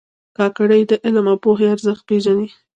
کاکړي د علم او پوهې ارزښت پېژني.